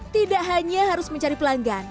tidak hanya harus mencari pelanggan